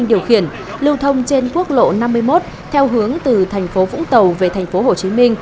điều khiển lưu thông trên quốc lộ năm mươi một theo hướng từ tp vũng tàu về tp hcm